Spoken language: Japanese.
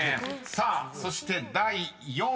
［さあそして第４位］